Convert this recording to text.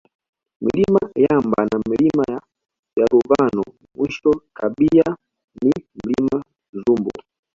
Mlima Yamba na Milima ya Yaruvano mwisho kabia ni Mlima Zumbu